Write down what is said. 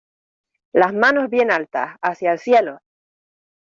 ¡ Las manos bien altas, hacia el cielo!